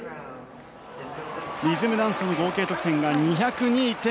リズムダンスの合計得点が２０２．８０！